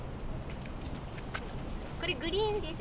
これグリーンです。